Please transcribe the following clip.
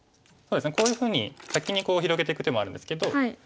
そうですねこういうふうに先に広げていく手もあるんですけど